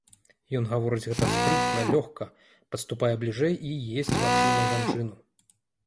Ён гаворыць гэта спрытна, лёгка, падступае бліжэй і есць вачыма жанчыну.